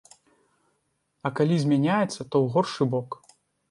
А калі змяняецца, то ў горшы бок.